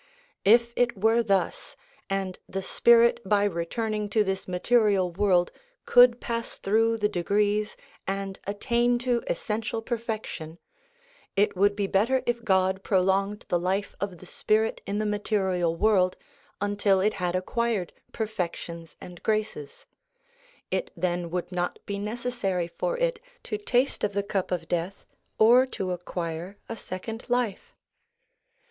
If it were thus, and the spirit by returning to this material world could pass through the degrees, and attain to essential perfection, it would be better if God prolonged the life of the spirit in the material world, until it had acquired perfections and graces; it then would not be necessary for it to taste of the cup of death, or to acquire a second life.